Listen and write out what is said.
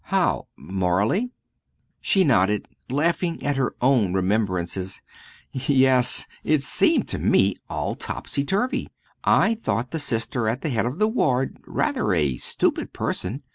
"How? Morally?" She nodded, laughing at her own remembrances. "Yes it seemed to me all topsy turvy. I thought the Sister at the head of the ward rather a stupid person.